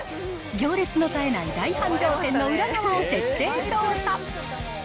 行列の絶えない大繁盛店の裏側を徹底調査。